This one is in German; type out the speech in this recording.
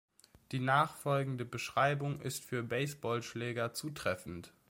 Die nachfolgende Beschreibung ist für Baseballschläger zutreffend.